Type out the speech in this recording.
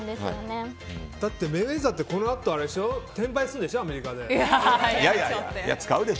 だってメイウェザーってこのあと転売するでしょアメリカで。